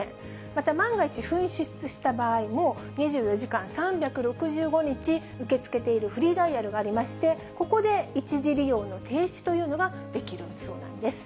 また万が一、紛失した場合も、２４時間３６５日受け付けているフリーダイヤルがありまして、ここで一時利用の停止というのができるそうなんです。